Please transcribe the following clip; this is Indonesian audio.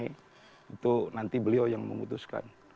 itu nanti beliau yang memutuskan